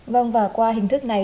vâng và qua hình thức này